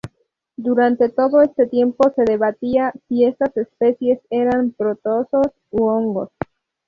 Durante todo este tiempo se debatía si estas especies eran protozoos u hongos.